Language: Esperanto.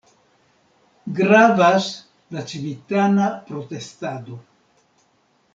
Gravas la civitana protestado.